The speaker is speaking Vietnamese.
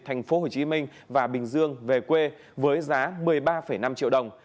thành phố hồ chí minh và bình dương về quê với giá một mươi ba năm triệu đồng